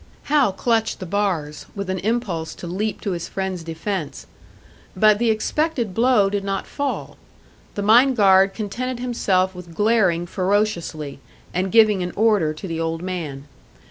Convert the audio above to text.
Hal clutched the bars, with an impulse to leap to his friend's defence. But the expected blow did not fall; the mine guard contented himself with glaring ferociously, and giving an order to the old man.